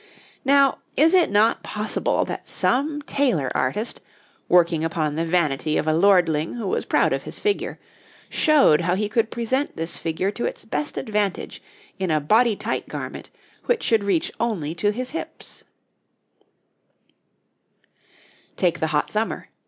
Now, is it not possible that some tailor artist, working upon the vanity of a lordling who was proud of his figure, showed how he could present this figure to its best advantage in a body tight garment which should reach only to his hips? [Illustration: {A man of the time of Edward II.}] Take the hot summer.